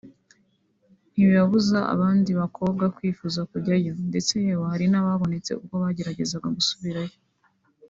ntibibuza abandi bakobwa kwifuza kujyayo ndetse yewe hari n’abahonotse ibyo bagerageza gusubirayo